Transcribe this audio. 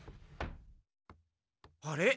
あれ？